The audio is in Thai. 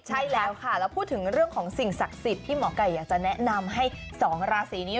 ใช่แล้วค่ะแล้วพูดถึงเรื่องของสิ่งศักดิ์สิทธิ์ที่หมอไก่อยากจะแนะนำให้๒ราศีนี้